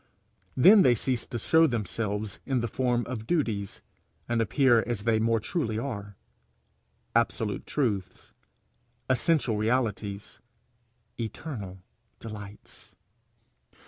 Then they cease to show themselves in the form of duties, and appear as they more truly are, absolute truths, essential realities, eternal delights.